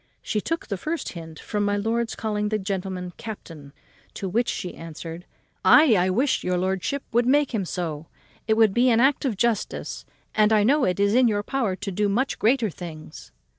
She took the first hint from my lord's calling the gentleman captain; to which she answered, "Ay, I wish your lordship would make him so. It would be an act of justice, and I know it is in your power to do much greater things."